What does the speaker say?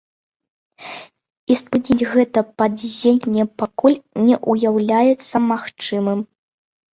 І спыніць гэта падзенне пакуль не ўяўляецца магчымым.